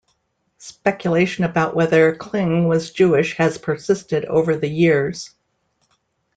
Speculation about whether Kling was Jewish has persisted over the years.